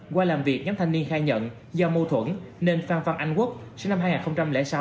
qua làm việc nhóm thanh niên khai nhận do mâu thuẫn nên phan phan anh quốc sinh năm hai nghìn sáu